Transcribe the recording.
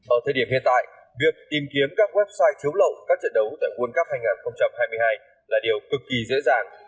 ở thời điểm hiện tại việc tìm kiếm các website chiếu lộng các trận đấu tại world cup hai nghìn hai mươi hai là điều cực kỳ dễ dàng